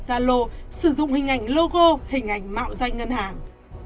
gia lô sử dụng hình ảnh logo hình ảnh mạo danh ngân hàng